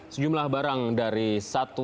sejumlah barang dari satu